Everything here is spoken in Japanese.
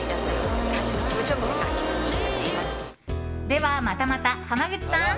ではまたまた、濱口さん。